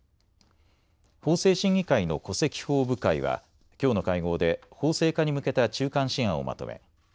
法制審議会の戸籍法部会はきょうの会合で法制化に向けた中間試案をまとめ